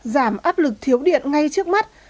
giảm áp lực thiếu điện ngay trước mắt